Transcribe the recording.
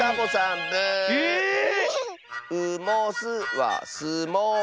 「う・も・す」は「す・も・う」。